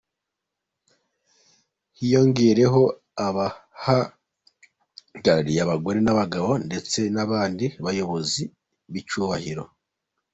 Hiyongeraho abahagarariye abagore n’abagabo ndetse n’abandi bayobozi b’icyubahiro.